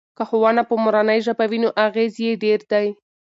که ښوونه په مورنۍ ژبه وي نو اغیز یې ډیر دی.